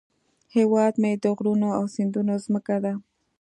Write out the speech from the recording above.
هیواد مې د غرونو او سیندونو زمکه ده